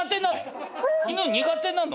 苦手なの！？